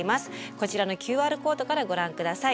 こちらのＱＲコードからご覧下さい。